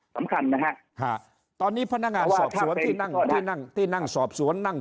สำคัญนะฮะตอนนี้พนักงานสอบสวนที่นั่งที่นั่งที่นั่งสอบสวนนั่ง